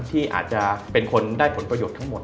ที่อาจจะเป็นคนได้ผลประโยชน์ทั้งหมด